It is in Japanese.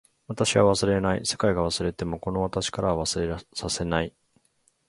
私は忘れない。世界が忘れてもこの私からは忘れさせない。